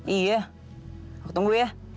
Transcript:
iya aku tunggu ya